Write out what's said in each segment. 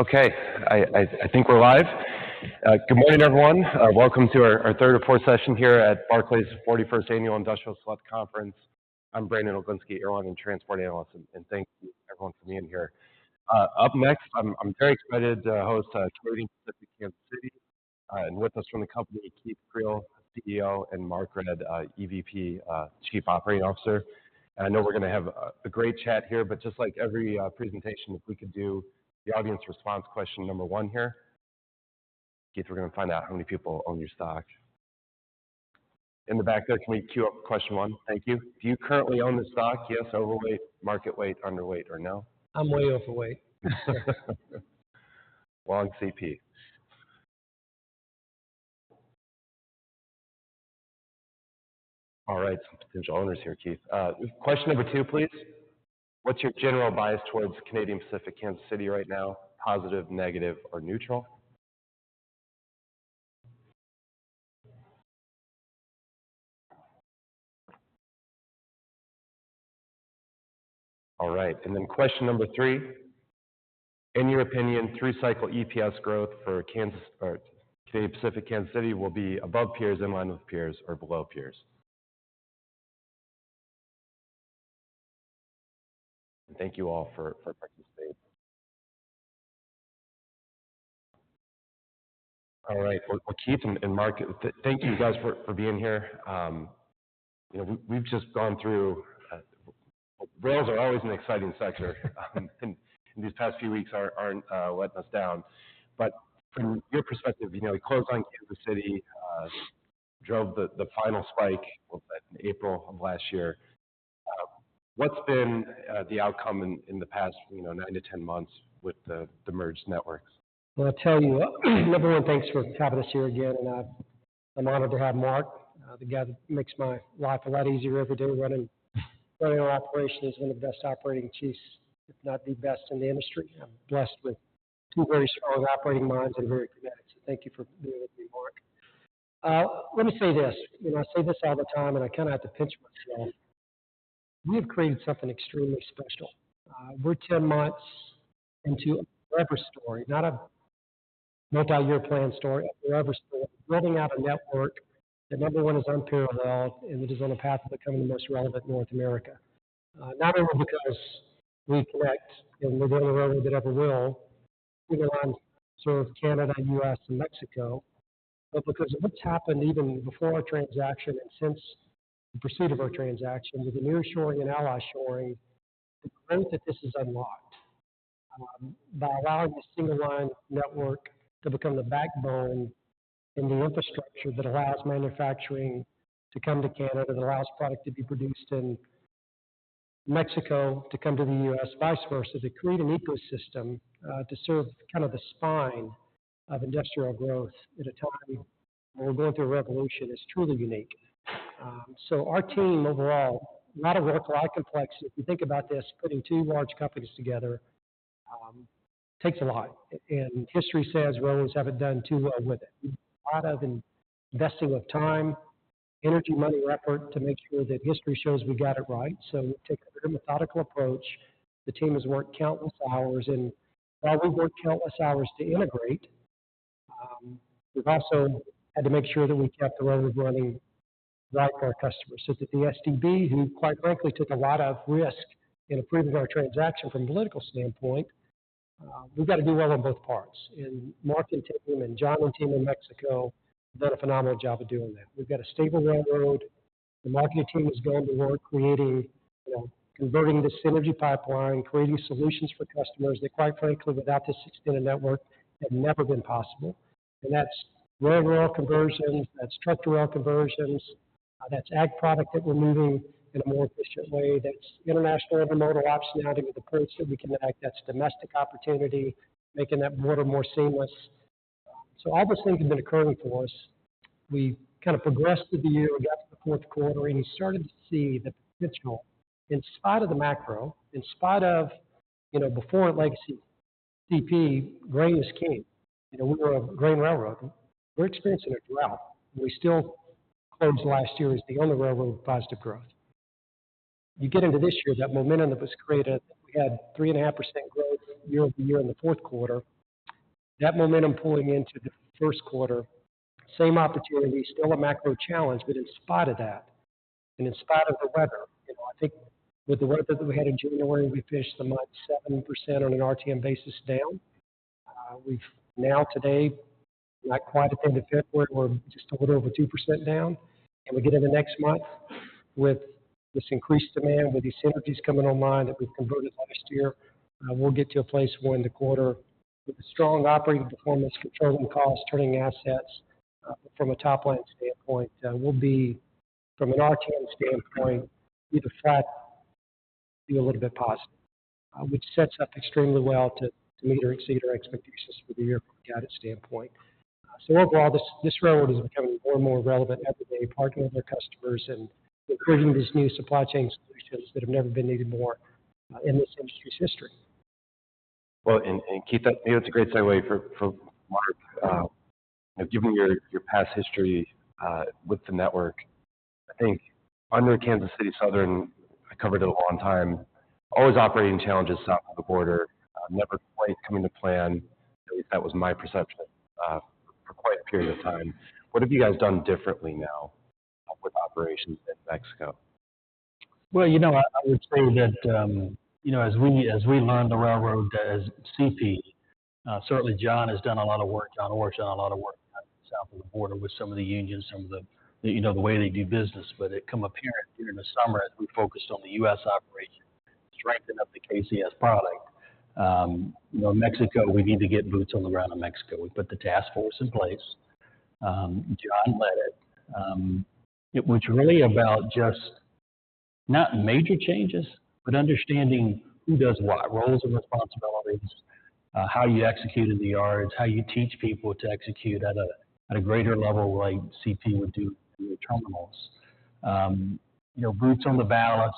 Okay, I think we're live. Good morning, everyone. Welcome to our third or fourth session here at Barclays' 41st Annual Industrial Select Conference. I'm Brandon Oglenski, Airline and Transport Analyst, and thank you, everyone, for being here. Up next, I'm very excited to host Canadian Pacific Kansas City, and with us from the company, Keith Creel, CEO, and Mark Redd, EVP Chief Operating Officer. I know we're going to have a great chat here, but just like every presentation, if we could do the audience response question number one here. Keith, we're going to find out how many people own your stock. In the back there, can we queue up question one? Thank you. Do you currently own this stock? Yes, overweight, market weight, underweight, or no? I'm way overweight. Long CP. All right. Some potential owners here, Keith. Question number two, please. What's your general bias towards Canadian Pacific Kansas City right now? Positive, negative, or neutral? All right. And then question number three. In your opinion, three-cycle EPS growth for Canadian Pacific Kansas City will be above peers, in line with peers, or below peers? Thank you all for participating. All right. Well, Keith and Mark, thank you, guys, for being here. We've just gone through rails are always an exciting sector, and these past few weeks aren't letting us down. But from your perspective, we closed on Kansas City, drove the final spike in April of last year. What's been the outcome in the past nine-10 months with the merged networks? Well, I'll tell you, number one, thanks for having us here again, and I'm honored to have Mark, the guy that makes my life a lot easier every day. Running our operation is one of the best operating chiefs, if not the best in the industry. I'm blessed with two very strong operating minds and very committed, so thank you for being with me, Mark. Let me say this. I say this all the time, and I kind of have to pinch myself. We have created something extremely special. We're 10 months into a forever story, not a multi-year plan story, a forever story. We're building out a network that, number one, is unparalleled and that is on a path to becoming the most relevant in North America. Not only because we connect, and we're the only railway that ever will, single lines serve Canada, U.S., and Mexico, but because of what's happened even before our transaction and since the pursuit of our transaction with the nearshoring and ally shoring, the growth that this has unlocked by allowing the single line network to become the backbone and the infrastructure that allows manufacturing to come to Canada, that allows product to be produced in Mexico, to come to the U.S., vice versa. They create an ecosystem to serve kind of the spine of industrial growth at a time where we're going through a revolution that's truly unique. So our team overall, a lot of work, a lot of complexity. If you think about this, putting two large companies together takes a lot, and history says railways haven't done too well with it. A lot of investing of time, energy, money, and effort to make sure that history shows we got it right. So we've taken a very methodical approach. The team has worked countless hours, and while we've worked countless hours to integrate, we've also had to make sure that we kept the railway running right for our customers so that the STB, who quite frankly took a lot of risk in approving our transaction from a political standpoint, we've got to do well on both parts. And Mark and team and John and team in Mexico have done a phenomenal job of doing that. We've got a stable railroad. The marketing team has gone to work creating, converting this synergy pipeline, creating solutions for customers that, quite frankly, without this extended network, had never been possible. And that's rail-to-rail conversions, that's truck-to-rail conversions, that's ag product that we're moving in a more efficient way, that's international intermodal optionality with the points that we connect, that's domestic opportunity, making that border more seamless. So all those things have been occurring for us. We kind of progressed through the year, got to the fourth quarter, and you started to see the potential in spite of the macro, in spite of before legacy CP, grain was king. We were a grain railroad. We're experiencing a drought, and we still closed last year as the only railroad with positive growth. You get into this year, that momentum that was created, I think we had 3.5% growth year-over-year in the fourth quarter. That momentum pulling into the first quarter, same opportunity, still a macro challenge, but in spite of that and in spite of the weather. I think with the weather that we had in January, we finished the month 7% on an RTM basis down. Now, today, not quite at the end of February, we're just a little over 2% down. We get into next month with this increased demand, with these synergies coming online that we've converted last year. We'll get to a place when the quarter, with a strong operating performance, controlling costs, turning assets from a top line standpoint, we'll be, from an RTM standpoint, either flat or be a little bit positive, which sets up extremely well to meet or exceed our expectations for the year from a guidance standpoint. So overall, this railroad is becoming more and more relevant every day, partnering with our customers and creating these new supply chain solutions that have never been needed more in this industry's history. Well, and Keith, I think it's a great segue for Mark. Given your past history with the network, I think under Kansas City Southern, I covered it a long time, always operating challenges south of the border, never quite coming to plan, at least that was my perception, for quite a period of time. What have you guys done differently now with operations in Mexico? Well, I would say that as we learned the railroad as CP, certainly John has done a lot of work, done a lot of work south of the border with some of the unions, some of the way they do business, but it became apparent during the summer as we focused on the U.S. operation, strengthening up the KCS product. In Mexico, we need to get boots on the ground in Mexico. We put the task force in place. John led it, which really is about just not major changes, but understanding who does what, roles and responsibilities, how you execute in the yards, how you teach people to execute at a greater level like CP would do in the terminals. Boots on the ballast.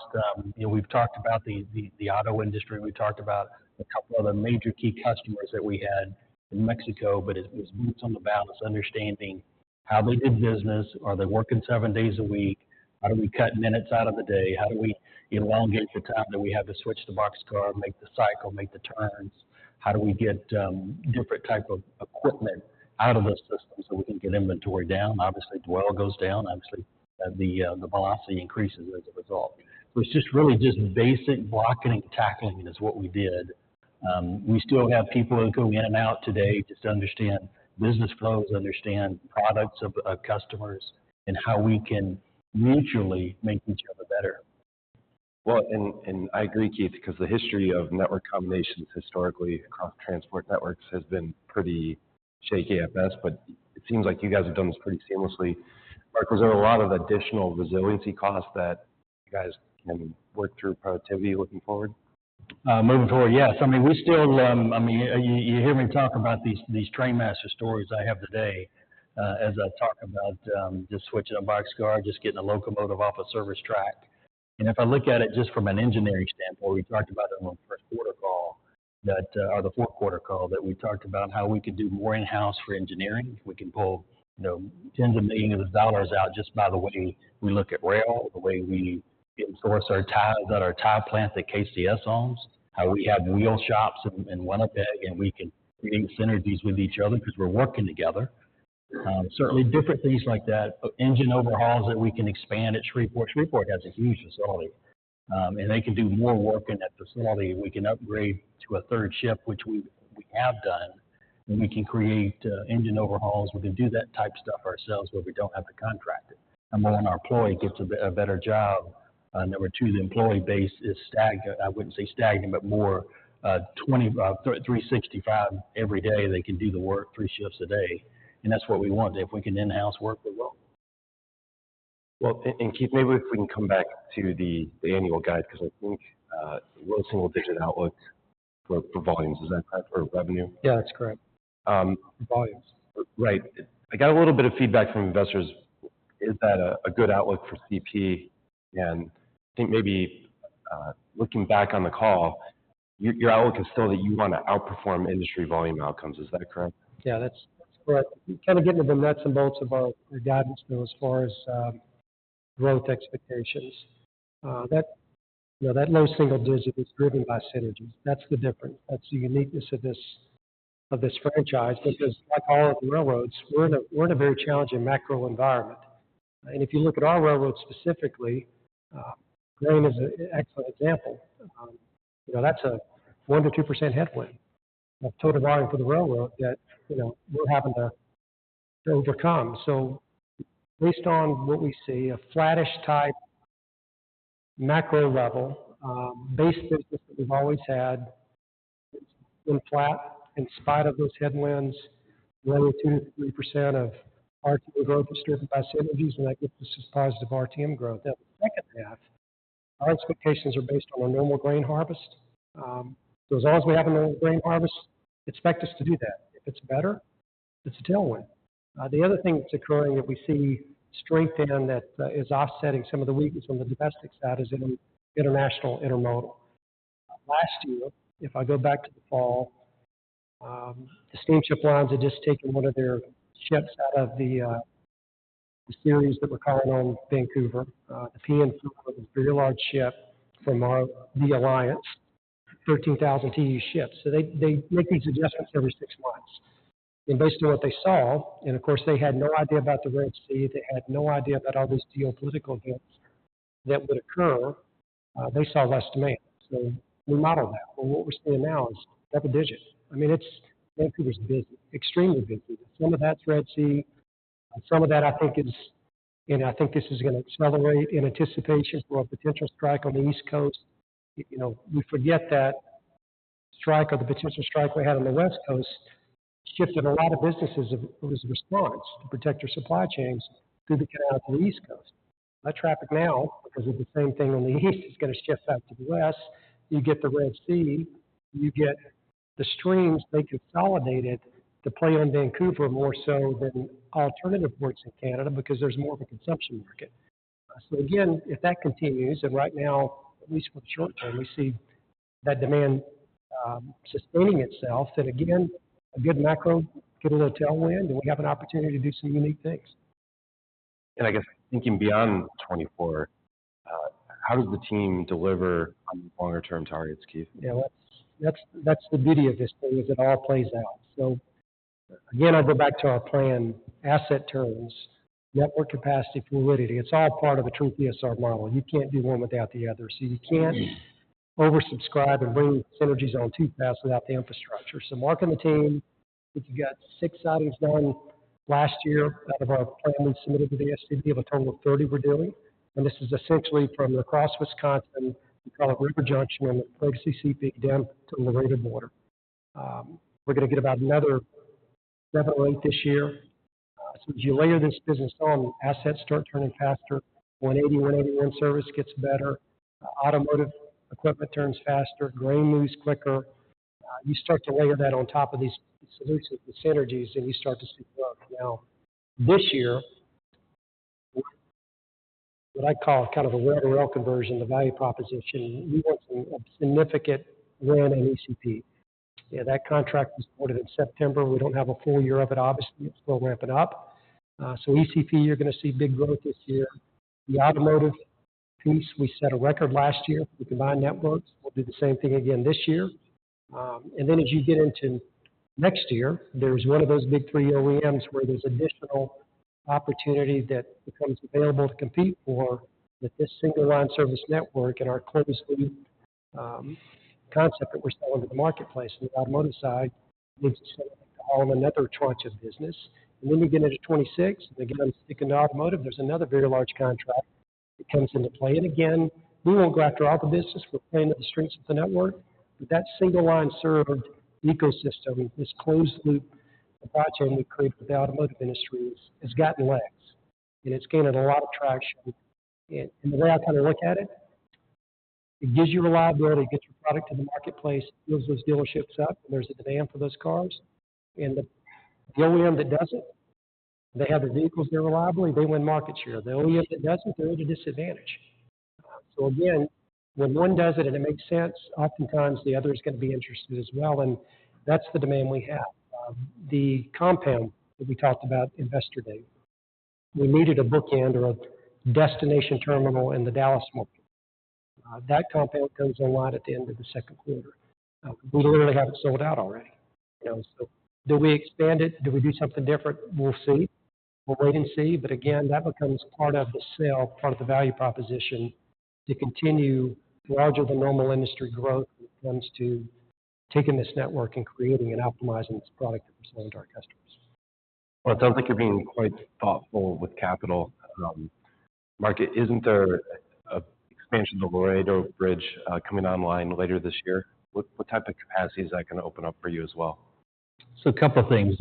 We've talked about the auto industry. We've talked about a couple other major key customers that we had in Mexico, but it was boots on the ballast, understanding how they did business. Are they working seven days a week? How do we cut minutes out of the day? How do we elongate the time that we have to switch the boxcar, make the cycle, make the turns? How do we get different types of equipment out of those systems so we can get inventory down? Obviously, dwell goes down. Obviously, the velocity increases as a result. So it's just really just basic blocking and tackling, is what we did. We still have people who go in and out today just to understand business flows, understand products of customers, and how we can mutually make each other better. Well, and I agree, Keith, because the history of network combinations historically across transport networks has been pretty shaky at best, but it seems like you guys have done this pretty seamlessly. Mark, was there a lot of additional resiliency costs that you guys can work through productivity looking forward? Moving forward, yes. I mean, we still, I mean, you hear me talk about these trainmaster stories I have today as I talk about just switching a boxcar, just getting a locomotive off a service track. If I look at it just from an engineering standpoint, we talked about it on the first quarter call or the fourth quarter call that we talked about how we could do more in-house for engineering. We can pull $ tens of millions out just by the way we look at rail, the way we source our ties at our tie plant that KCS owns, how we have wheel shops in Winnipeg, and we can create synergies with each other because we're working together. Certainly, different things like that, engine overhauls that we can expand at Shreveport. Shreveport has a huge facility, and they can do more work in that facility. We can upgrade to a third shift, which we have done, and we can create engine overhauls. We can do that type stuff ourselves where we don't have to contract it. And more than our employee gets a better job. Number two, the employee base is stagnant. I wouldn't say stagnant, but more 365 every day, they can do the work, three shifts a day. And that's what we want if we can in-house work as well. Well, and Keith, maybe if we can come back to the annual guide because I think real single-digit outlook for volumes, is that correct, or revenue? Yeah, that's correct. Volumes. Right. I got a little bit of feedback from investors. Is that a good outlook for CP? I think maybe looking back on the call, your outlook is still that you want to outperform industry volume outcomes. Is that correct? Yeah, that's correct. We're kind of getting to the nuts and bolts of our guidance bill as far as growth expectations. That low single digit is driven by synergy. That's the difference. That's the uniqueness of this franchise because, like all of the railroads, we're in a very challenging macro environment. And if you look at our railroad specifically, grain is an excellent example. That's a 1%-2% headwind of total volume for the railroad that we're having to overcome. So based on what we see, a flattish type macro level, base business that we've always had, it's been flat in spite of those headwinds, 2%-3% of RTM growth is driven by synergies, and that gets us to positive RTM growth. Now, the second half, our expectations are based on a normal grain harvest. So as long as we have a normal grain harvest, expect us to do that. If it's better, it's a tailwind. The other thing that's occurring that we see strengthen that is offsetting some of the weakness on the domestic side is international intermodal. Last year, if I go back to the fall, the steamship lines had just taken one of their ships out of the series that we're calling on Vancouver. The PN4 was a very large ship from THE Alliance, 13,000 TEU ship. So they make these adjustments every six months. And based on what they saw, and of course, they had no idea about the Red Sea. They had no idea about all these geopolitical events that would occur. They saw less demand. So we modeled that. Well, what we're seeing now is double-digit. I mean, it's Vancouver's business, extremely busy. Some of that's Red Sea. Some of that, I think, is, and I think this is going to accelerate in anticipation for a potential strike on the East Coast. We forget that strike or the potential strike we had on the West Coast shifted a lot of businesses as a response to protect our supply chains through the canal to the East Coast. That traffic now, because of the same thing on the East, is going to shift back to the West. You get the Red Sea. You get the streams. They consolidated to play on Vancouver more so than alternative ports in Canada because there's more of a consumption market. So again, if that continues, and right now, at least for the short term, we see that demand sustaining itself, then again, a good macro, get a little tailwind, and we have an opportunity to do some unique things. I guess thinking beyond 2024, how does the team deliver on the longer-term targets, Keith? Yeah, that's the beauty of this thing is it all plays out. So again, I'll go back to our plan, asset turns, network capacity, fluidity. It's all part of a true PSR model. You can't do one without the other. So you can't oversubscribe and bring synergies on two paths without the infrastructure. So Mark and the team, I think you got six sidings done last year out of our plan we submitted to the STB. Of a total of 30, we're doing. And this is essentially from across Wisconsin. We call it River Junction on the legacy CP down to Laredo border. We're going to get about another seven or eight this year. So as you layer this business on, assets start turning faster. 180, 181 service gets better. Automotive equipment turns faster. Grain moves quicker. You start to layer that on top of these solutions, the synergies, and you start to see growth. Now, this year, what I call kind of a rail-to-rail conversion, the value proposition, we want some significant win in ECP. Yeah, that contract was awarded in September. We don't have a full year of it, obviously. It's still ramping up. So ECP, you're going to see big growth this year. The automotive piece, we set a record last year for the combined networks. We'll do the same thing again this year. And then as you get into next year, there's one of those big three OEMs where there's additional opportunity that becomes available to compete for that this single line service network and our closed-loop concept that we're selling to the marketplace on the automotive side leads us to haul in another tranche of business. Then you get into 2026, and again, sticking to automotive, there's another very large contract that comes into play. Again, we won't go after all the business. We're playing to the strengths of the network. But that single line served ecosystem, this closed-loop supply chain we've created with the automotive industry has gotten legs, and it's gained a lot of traction. And the way I kind of look at it, it gives you reliability. It gets your product to the marketplace. It fills those dealerships up, and there's a demand for those cars. And the OEM that doesn't, they have their vehicles there reliably. They win market share. The OEM that doesn't, they're at a disadvantage. So again, when one does it and it makes sense, oftentimes the other is going to be interested as well. And that's the demand we have. The compound that we talked about yesterday, we needed a bookend or a destination terminal in the Dallas market. That compound comes online at the end of the second quarter. We literally have it sold out already. So do we expand it? Do we do something different? We'll see. We'll wait and see. But again, that becomes part of the sale, part of the value proposition to continue larger than normal industry growth when it comes to taking this network and creating and optimizing this product that we're selling to our customers. Well, it sounds like you're being quite thoughtful with capital. Mark, isn't there an expansion of the Laredo bridge coming online later this year? What type of capacity is that going to open up for you as well? So a couple of things.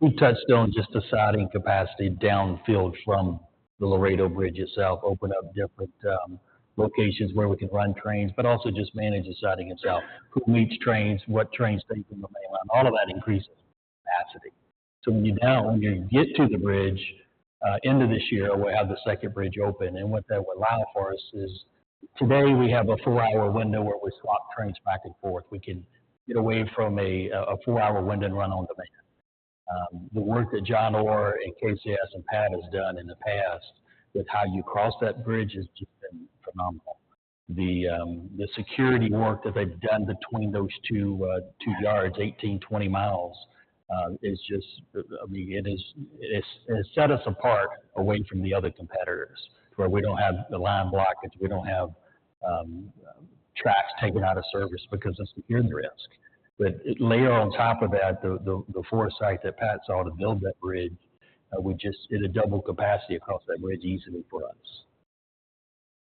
We touched on just the siding capacity downfield from the Laredo bridge itself, open up different locations where we can run trains, but also just manage the siding itself, who meets trains, what trains take in the main line. All of that increases capacity. So when you get to the bridge end of this year, we'll have the second bridge open. And what that will allow for us is today, we have a four-hour window where we swap trains back and forth. We can get away from a four-hour window and run on demand. The work that John Orr and KCS and Pat has done in the past with how you cross that bridge has just been phenomenal. The security work that they've done between those two yards, 18-20 miles, is just, I mean, it has set us apart away from the other competitors where we don't have the line blockage. We don't have tracks taken out of service because of security risk. But layer on top of that, the foresight that Pat saw to build that bridge, it'll double capacity across that bridge easily for us.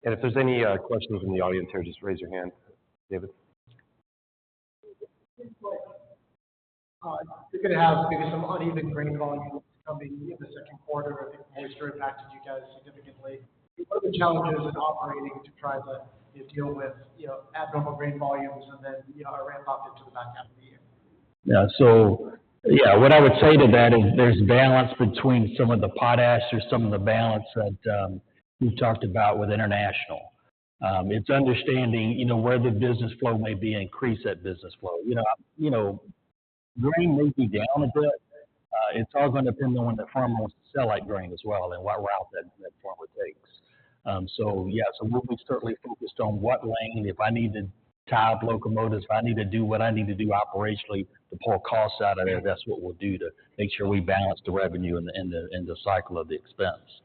If there's any questions in the audience here, just raise your hand, David. David, it's a good point. You're going to have maybe some uneven grain volumes coming in the second quarter. I think moisture impacted you guys significantly. What are the challenges in operating to try to deal with abnormal grain volumes and then a ramp-up into the back half of the year? Yeah. So yeah, what I would say to that is there's balance between some of the potash or some of the balance that we've talked about with international. It's understanding where the business flow may be and increase that business flow. Grain may be down a bit. It's all going to depend on when the farmer wants to sell that grain as well and what route that farmer takes. So yeah, so we'll be certainly focused on what lane. If I need to tie up locomotives, if I need to do what I need to do operationally to pull costs out of there, that's what we'll do to make sure we balance the revenue and the cycle of the expense.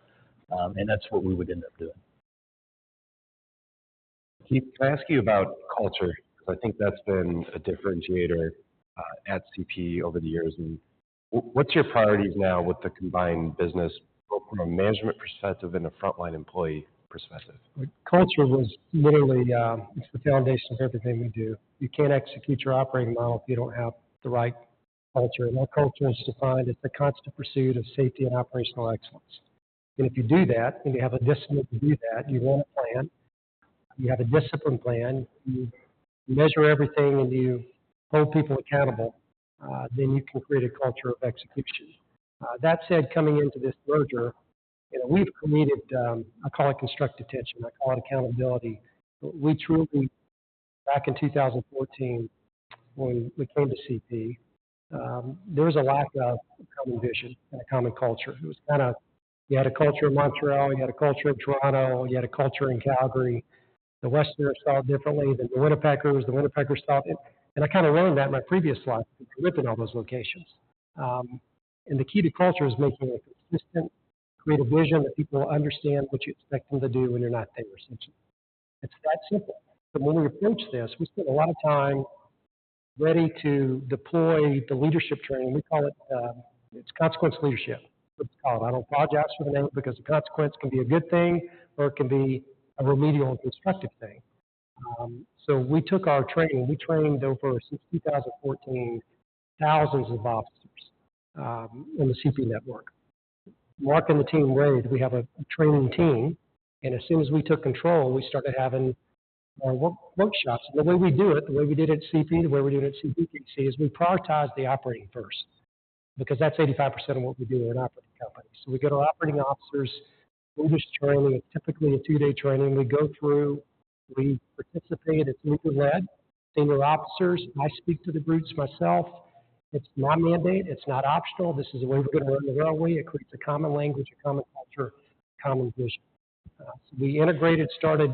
That's what we would end up doing. Keith, can I ask you about culture because I think that's been a differentiator at CP over the years? And what's your priorities now with the combined business, both from a management perspective and a frontline employee perspective? Culture was literally. It's the foundation of everything we do. You can't execute your operating model if you don't have the right culture. Our culture is defined. It's a constant pursuit of safety and operational excellence. If you do that, and you have a discipline to do that, you want a plan. You have a disciplined plan. You measure everything, and you hold people accountable. Then you can create a culture of execution. That said, coming into this merger, we've created—I call it—constructive tension. I call it accountability. Back in 2014, when we came to CP, there was a lack of common vision and a common culture. It was kind of you had a culture in Montreal. You had a culture in Toronto. You had a culture in Calgary. The Westerners saw it differently than the Winnipeggers. The Winnipeggers saw it, and I kind of learned that in my previous slides because I've been ripping all those locations. The key to culture is making it consistent, create a vision that people understand what you expect them to do when you're not there, essentially. It's that simple. So when we approach this, we spend a lot of time ready to deploy the leadership training. We call it it's consequence leadership, let's call it. I don't apologize for the name because the consequence can be a good thing or it can be a remedial and constructive thing. So we took our training. We trained over since 2014 thousands of officers in the CP network. Mark and the team, we have a training team. And as soon as we took control, we started having more workshops. And the way we do it, the way we did it at CP, the way we're doing it at CP, is we prioritize the operating first because that's 85% of what we do at an operating company. So we get our operating officers. We just train them. It's typically a two-day training. We go through. We participate. It's leader-led. Senior officers. I speak to the groups myself. It's my mandate. It's not optional. This is the way we're going to run the railway. It creates a common language, a common culture, a common vision. So we integrated, started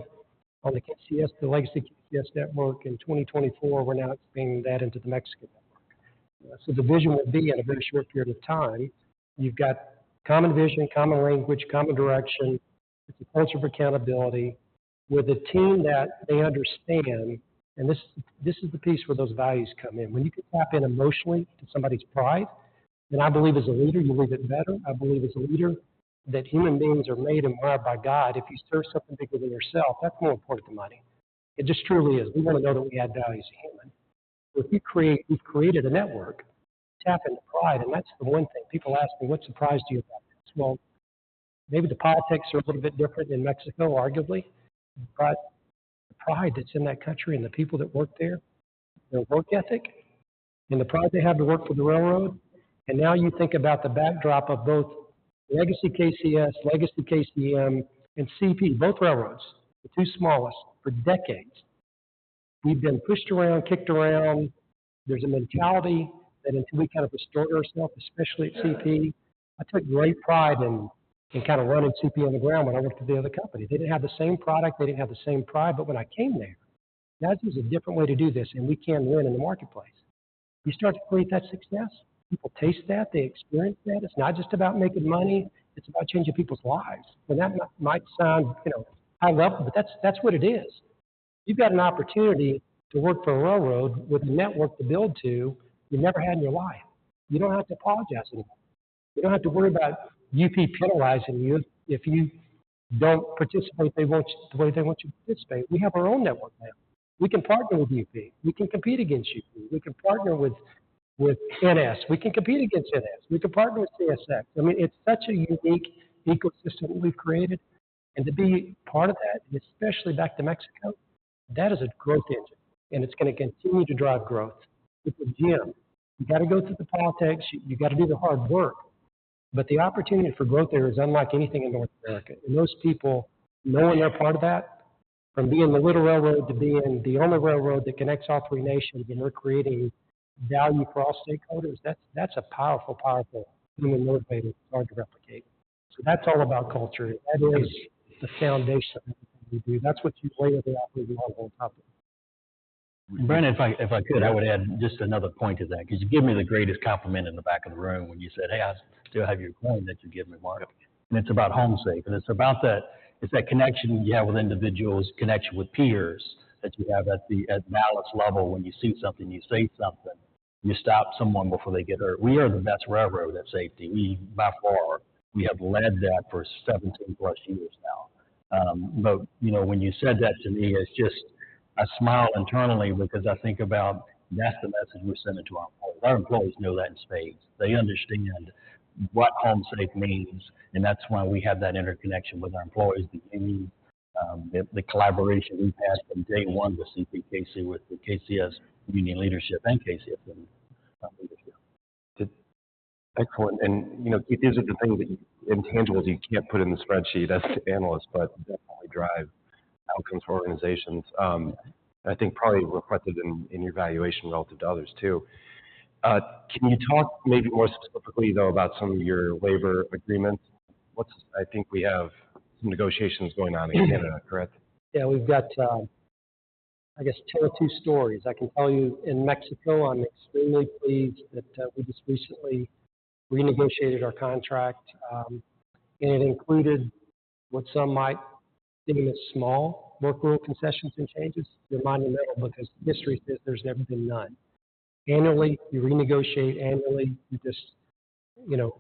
on the KCS, the legacy KCS network in 2024. We're now expanding that into the Mexican network. So the vision would be in a very short period of time, you've got common vision, common language, common direction. It's a culture of accountability with a team that they understand. This is the piece where those values come in. When you can tap in emotionally to somebody's pride, then I believe as a leader, you leave it better. I believe as a leader that human beings are made and wired by God. If you serve something bigger than yourself, that's more important than money. It just truly is. We want to know that we add values to human. So if you create we've created a network. Tap into pride. That's the one thing. People ask me, "What surprised you about this?" Well, maybe the politics are a little bit different in Mexico, arguably. The pride that's in that country and the people that work there, their work ethic and the pride they have to work for the railroad. And now you think about the backdrop of both legacy KCS, legacy KCSM, and CP, both railroads, the two smallest. For decades, we've been pushed around, kicked around. There's a mentality that until we kind of restore ourselves, especially at CP, I took great pride in kind of running CP on the ground when I worked at the other company. They didn't have the same product. They didn't have the same pride. But when I came there, that was a different way to do this, and we can win in the marketplace. You start to create that success. People taste that. They experience that. It's not just about making money. It's about changing people's lives. And that might sound high-level, but that's what it is. You've got an opportunity to work for a railroad with a network to build to you never had in your life. You don't have to apologize anymore. You don't have to worry about UP penalizing you if you don't participate the way they want you to participate. We have our own network now. We can partner with UP. We can compete against UP. We can partner with NS. We can compete against NS. We can partner with CSX. I mean, it's such a unique ecosystem that we've created. And to be part of that, and especially back to Mexico, that is a growth engine, and it's going to continue to drive growth. It's a gem. You got to go through the politics. You got to do the hard work. But the opportunity for growth there is unlike anything in North America. Those people knowing they're part of that, from being the little railroad to being the only railroad that connects all three nations and we're creating value for all stakeholders, that's a powerful, powerful human motivator. It's hard to replicate. That's all about culture. That is the foundation of everything we do. That's what you layer the operating model on top of. Brandon, if I could, I would add just another point to that because you gave me the greatest compliment in the back of the room when you said, "Hey, I still have your coin that you gave me, Mark." And it's about Home Safe. And it's about that connection you have with individuals, connection with peers that you have at Dallas level when you see something, you say something, you stop someone before they get hurt. We are the best railroad at safety, by far. We have led that for 17+ years now. But when you said that to me, it's just I smile internally because I think about that's the message we're sending to our employees. Our employees know that in spades. They understand what Home Safe means. That's why we have that interconnection with our employees, the unions, the collaboration we've had from day one with CPKC, with the KCS union leadership and KCS union leadership. Excellent. Keith, these are the things that you intangibles you can't put in the spreadsheet as to analysts but definitely drive outcomes for organizations, I think probably reflected in your valuation relative to others too. Can you talk maybe more specifically, though, about some of your labor agreements? I think we have some negotiations going on in Canada, correct? Yeah. We've got, I guess, tell two stories. I can tell you, in Mexico, I'm extremely pleased that we just recently renegotiated our contract. It included what some might deem as small work rule concessions and changes. They're monumental because history says there's never been none. Annually, you renegotiate. Annually, you're just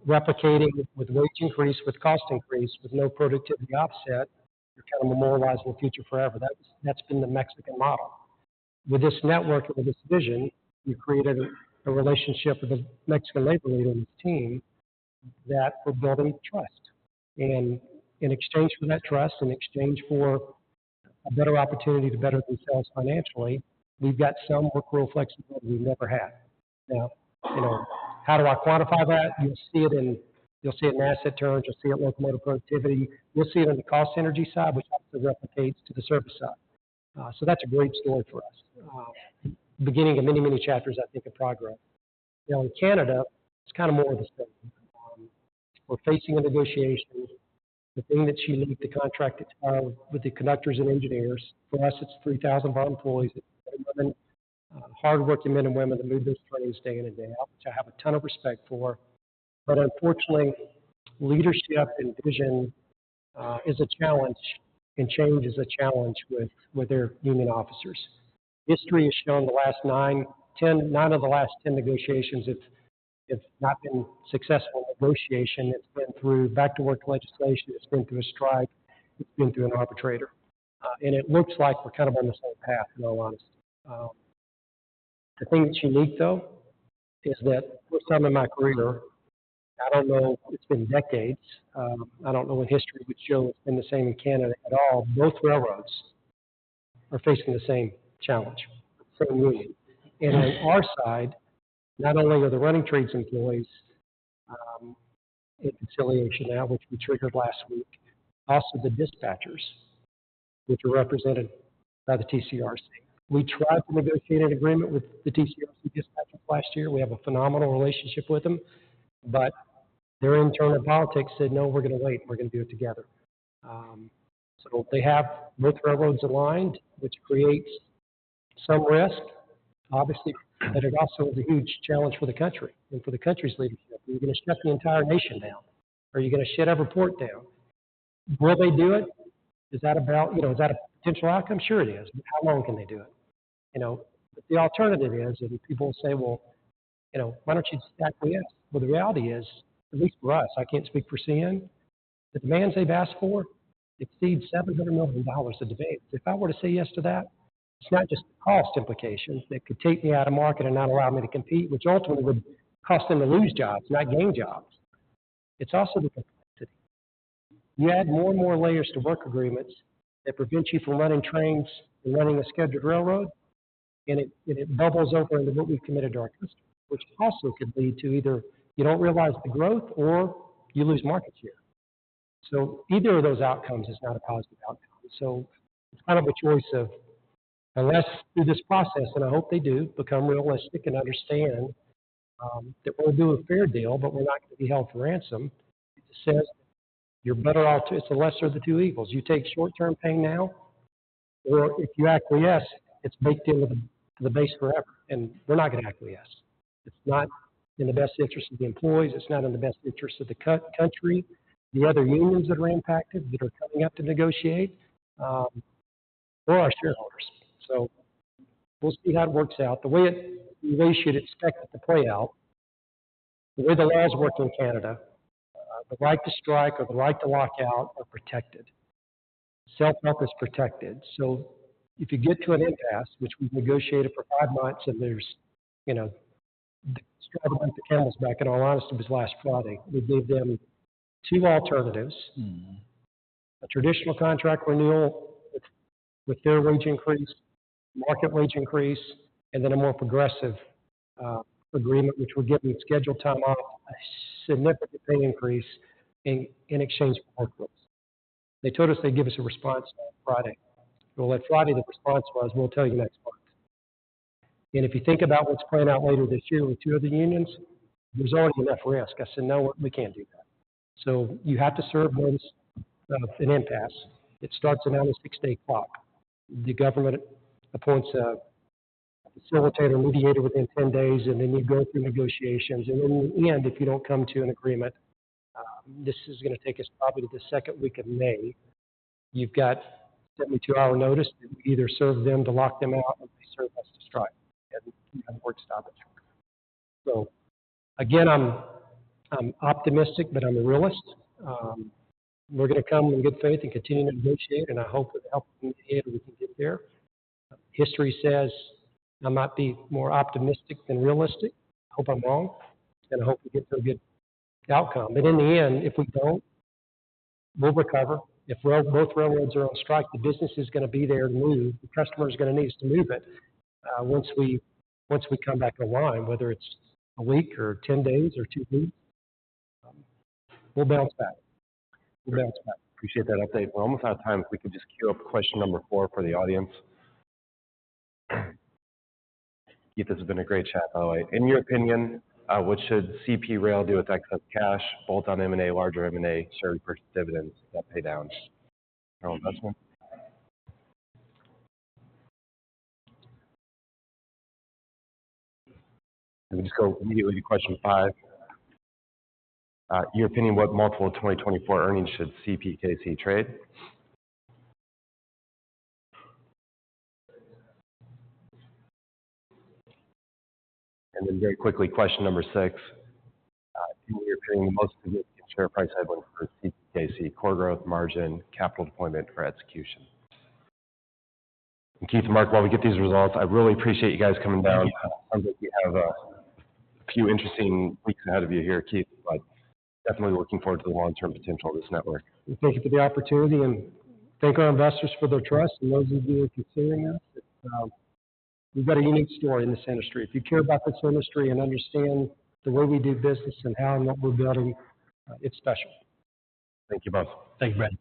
replicating with wage increase, with cost increase, with no productivity offset. You're kind of memorializing the future forever. That's been the Mexican model. With this network and with this vision, we've created a relationship with the Mexican labor leader and his team that we're building trust. In exchange for that trust, in exchange for a better opportunity to better themselves financially, we've got some work rule flexibility we've never had. Now, how do I quantify that? You'll see it in you'll see it in asset terms. You'll see it in locomotive productivity. You'll see it on the cost energy side, which also replicates to the service side. So that's a great story for us, beginning of many, many chapters, I think, of progress. Now, in Canada, it's kind of more of the same. We're facing a negotiation. The thing that she leaked, the contract that's filed with the conductors and engineers, for us, it's 3,000 of our employees. It's men and women, hardworking men and women that move those trains day in and day out, which I have a ton of respect for. But unfortunately, leadership and vision is a challenge, and change is a challenge with their union officers. History has shown the last nine of the last 10 negotiations; it's not been successful negotiation. It's been through back-to-work legislation. It's been through a strike. It's been through an arbitrator. And it looks like we're kind of on the same path, in all honesty. The thing that she leaked, though, is that for some of my career I don't know. It's been decades. I don't know in history would show it's been the same in Canada at all. Both railroads are facing the same challenge, same union. And on our side, not only are the running trades employees in conciliation now, which we triggered last week, also the dispatchers, which are represented by the TCRC. We tried to negotiate an agreement with the TCRC dispatchers last year. We have a phenomenal relationship with them. But their internal politics said, "No. We're going to wait. We're going to do it together." So they have both railroads aligned, which creates some risk, obviously, but it also is a huge challenge for the country and for the country's leadership. Are you going to shut the entire nation down? Are you going to shut every port down? Will they do it? Is that about is that a potential outcome? Sure it is. How long can they do it? But the alternative is, and people will say, "Well, why don't you just tackle yes?" Well, the reality is, at least for us, I can't speak for CN, the demands they've asked for exceed $700 million of dollars. If I were to say yes to that, it's not just the cost implications. It could take me out of market and not allow me to compete, which ultimately would cost them to lose jobs, not gain jobs. It's also the complexity. You add more and more layers to work agreements that prevent you from running trains and running a scheduled railroad, and it bubbles over into what we've committed to our customers, which also could lead to either you don't realize the growth or you lose market share. So either of those outcomes is not a positive outcome. So it's kind of a choice unless through this process, and I hope they do, become realistic and understand that we'll do a fair deal, but we're not going to be held for ransom. It just says that you're better off. It's a lesser of the two evils. You take short-term pay now, or if you act like yes, it's baked into the base forever. And we're not going to act like yes. It's not in the best interest of the employees. It's not in the best interest of the country, the other unions that are impacted that are coming up to negotiate, or our shareholders. So we'll see how it works out. The way you should expect it to play out, the way the law is working in Canada, the right to strike or the right to lockout are protected. Self-help is protected. So if you get to an impasse, which we've negotiated for five months, and the straw that broke the camel's back, in all honesty, was last Friday. We gave them two alternatives: a traditional contract renewal with their wage increase, market wage increase, and then a more progressive agreement, which we're giving scheduled time off, a significant pay increase in exchange for work rules. They told us they'd give us a response Friday. Well, that Friday, the response was, "We'll tell you next month." If you think about what's playing out later this year with two other unions, there's already enough risk. I said, "No. We can't do that." You have to serve notice of an impasse. It starts around the 60-day clock. The government appoints a facilitator, mediator within 10 days, and then you go through negotiations. In the end, if you don't come to an agreement, this is going to take us probably to the second week of May. You've got 72-hour notice that we either serve them to lock them out or they serve us to strike. You have a work stoppage in check. So again, I'm optimistic, but I'm a realist. We're going to come in good faith and continue to negotiate, and I hope with the help of the mediator, we can get there. History says I might be more optimistic than realistic. I hope I'm wrong, and I hope we get to a good outcome. But in the end, if we don't, we'll recover. If both railroads are on strike, the business is going to be there to move. The customer is going to need us to move it. Once we come back to align, whether it's a week or 10 days or two weeks, we'll bounce back. We'll bounce back. Appreciate that update. We're almost out of time. If we could just queue up question number four for the audience. Keith, this has been a great chat, by the way. In your opinion, what should CP Rail do with excess cash, bolt-on M&A, larger M&A, share purchase dividends, debt paydowns, general investment? If we just go immediately to question five, in your opinion, what multiple of 2024 earnings should CPKC trade? And then very quickly, question number six, in your opinion, the most significant share price headline for CPKC, core growth, margin, capital deployment, or execution? Keith and Mark, while we get these results, I really appreciate you guys coming down. Sounds like you have a few interesting weeks ahead of you here, Keith, but definitely looking forward to the long-term potential of this network. We thank you for the opportunity, and thank our investors for their trust and those of you who are considering us. We've got a unique story in this industry. If you care about this industry and understand the way we do business and how and what we're building, it's special. Thank you both. Thank you, Brandon.